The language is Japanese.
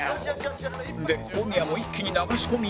で小宮も一気に流し込み